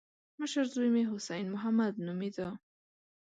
مشر زوی مې حسين محمد نومېده.